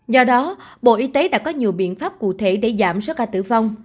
do đó bộ y tế đã có nhiều biện pháp cụ thể để giảm số ca tử vong